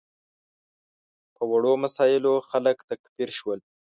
په وړو مسایلو خلک تکفیر شول.